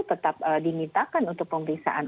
tetap dimintakan untuk pemeriksaan